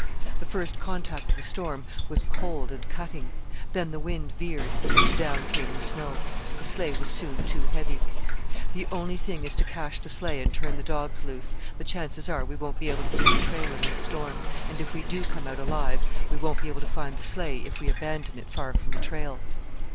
The first contact of the storm was cold and cutting; then the wind veered, and down came the snow. The sleigh was soon too heavy. "The only thing is to cache the sleigh and turn the dogs loose; the chances are we won't be able to keep the trail in this storm; and if we do come out alive, we won't be able to find the sleigh if we abandon it far from the trail."